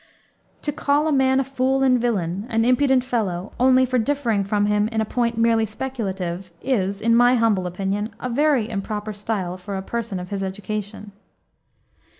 "To call a man a fool and villain, an impudent fellow, only for differing from him in a point merely speculative, is, in my humble opinion, a very improper style for a person of his education."